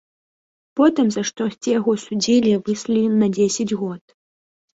Потым за штосьці яго судзілі і выслалі на дзесяць год.